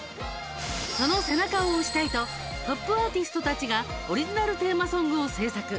その背中を押したいとトップアーティストたちがオリジナルテーマソングを制作。